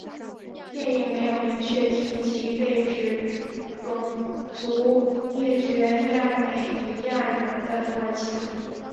电影没有明确提及被指种族灭绝亚美尼亚人的土耳其。